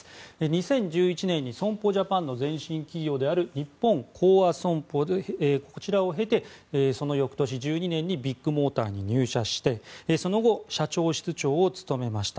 ２０１１年に損保ジャパンの前身企業である日本興亜損保を経てその翌年、１２年にビッグモーターに入社してその後、社長室長を務めました。